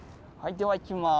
ではいきます。